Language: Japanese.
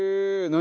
何？